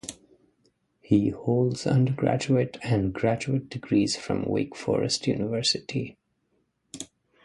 He holds undergraduate and graduate degrees from Wake Forest University.